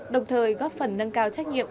đồng thời góp phần nâng cao trách nhiệm